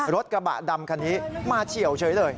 รถกระบะดำคันนี้มาเฉียวเฉยเลย